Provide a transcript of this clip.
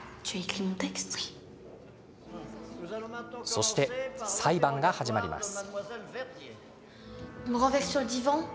そして、裁判が始まります。